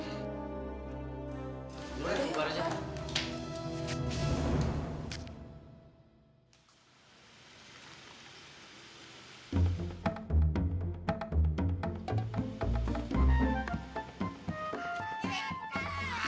tidurlah di luar saja